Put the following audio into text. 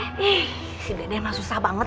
ih si dede mah susah banget